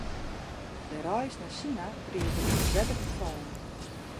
De reis nei Sina driget yn it wetter te fallen.